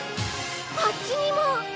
あっちにも！